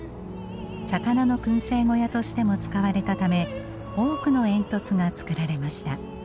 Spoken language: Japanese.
魚の燻製小屋としても使われたため多くの煙突が作られました。